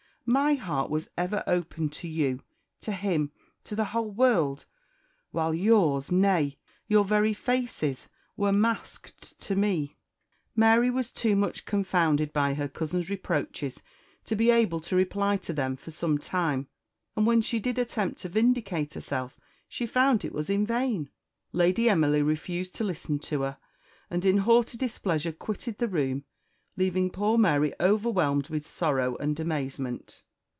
My heart was ever open to you, to him, to the whole world; while yours nay, your very faces were masked to me!" Mary was too much confounded by her cousin's reproaches to be able to reply to them for some time; and when she did attempt to vindicate herself, she found it was in vain. Lady Emily refused to listen to her; and in haughty displeasure quitted the room, leaving poor Mary overwhelmed with sorrow and amazement.